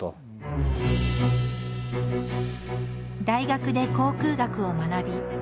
大学で航空学を学び